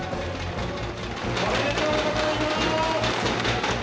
おめでとうございます。